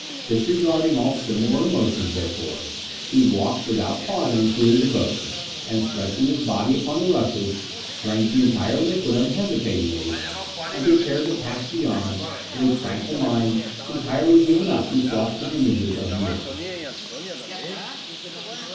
Disregarding all similar emotions, therefore, he walked without pausing to his abode, and stretching his body upon the rushes, drank the entire liquid unhesitatingly, and prepared to pass beyond with a tranquil mind entirely given up to thoughts and images of Mian.